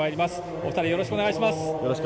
お二人、よろしくお願いします。